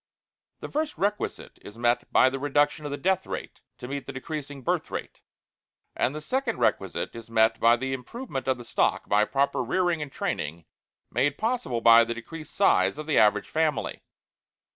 The first requisite is met by THE REDUCTION OF THE DEATH RATE to meet the decreasing birth rate; and the second requisite is met by the improvement of the stock by proper rearing and training made possible by the decreased size of the average family.